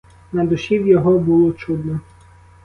На душі в його було чудно.